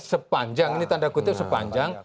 sepanjang ini tanda kutip sepanjang